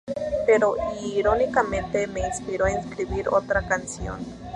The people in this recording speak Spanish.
Pero irónicamente, me inspiró a escribir otra canción".